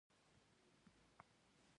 التقاطي سمون عربي کلمه ده.